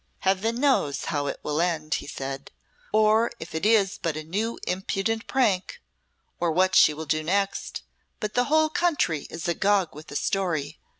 "Heaven knows how it will end," he said, "or if it is but a new impudent prank or what she will do next but the whole country is agog with the story.